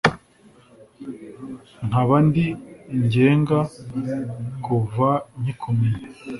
nkaba ndi ngenga kuva nkikumenya.